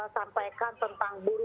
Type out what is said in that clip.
sampaikan tentang buru